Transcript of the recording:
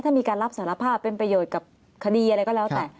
ถ้ามีการรับสารภาพเป็นประโยชน์กับคดีอะไรก็แล้วแต่